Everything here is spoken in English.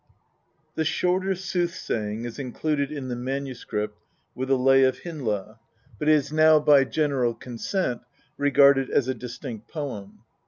The Shorter Soothsaying is included hi the MS. with the Lay of Hyndla, but is now, by general consent, regarded as a distinct poem.